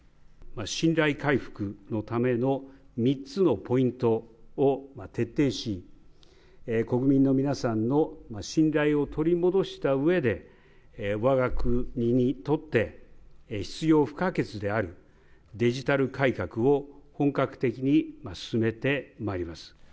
信頼回復のための３つのポイントを徹底し、国民の皆さんの信頼を取り戻したうえで、わが国にとって必要不可欠である、デジタル改革を本格的に進めてまいります。